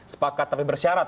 sepakat tapi bersyarat